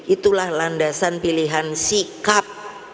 itulah landasan pilihan sikap